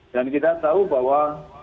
dan kita tahu bahwa